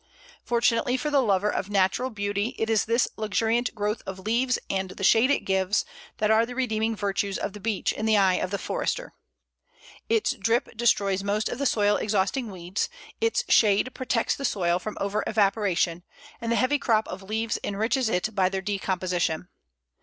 Fortunately for the lover of natural beauty, it is this luxuriant growth of leaves and the shade it gives that are the redeeming virtues of the Beech in the eye of the forester. Its drip destroys most of the soil exhausting weeds, its shade protects the soil from over evaporation, and the heavy crop of leaves enriches it by their decomposition.